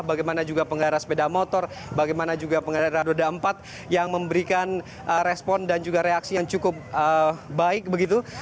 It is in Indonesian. bagaimana juga pengendara sepeda motor bagaimana juga pengendara roda empat yang memberikan respon dan juga reaksi yang cukup baik begitu